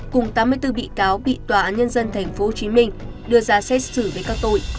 cùng tám mươi bốn bị cáo bị tòa án nhân dân tp hcm đưa ra xét xử với các tội